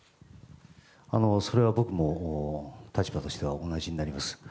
それは僕も立場としては同じになります。